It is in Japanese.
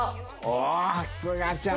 おおーすがちゃん！